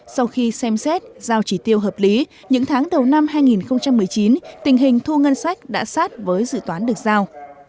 sau khi xem xét giao chỉ tiêu hợp lý những tháng đầu năm hai nghìn một mươi chín tình hình thu ngân sách đã sát với dự toán được giao